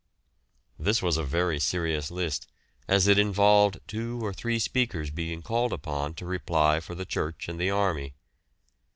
This was a very serious list, as it involved two or three speakers being called upon to reply for the church and the army.